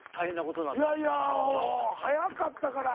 いやいや速かったから。